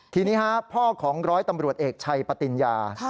ทีนี้พ่อของร้อยตำรวจเอกชัยปติญญา